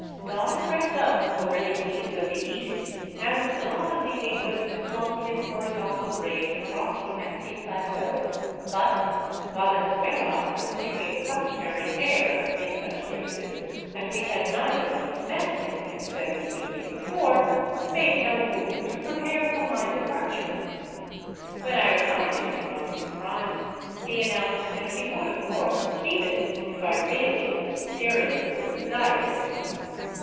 Dawn crept up over the eaves of the east, and the god of the Incas flung his horizontal rays across the empty plateau, but Valenzuela, assuming the customary air in such cases, that we had neither of us meant what we had said the evening before, made no move to prepare for my departure. When I reminded him of his promise, he announced that he would, of course, keep it, if I really, seriously desired it.